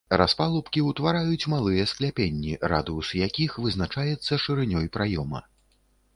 Распалубкі ўтвараюць малыя скляпенні, радыус якіх вызначаецца шырынёй праёма.